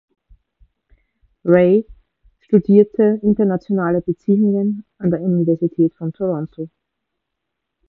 Rae studierte Internationale Beziehungen an der Universität von Toronto.